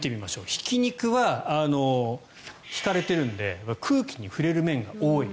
ひき肉はひかれているので空気に触れる面が多い。